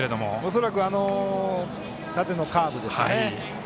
恐らく縦のカーブですね。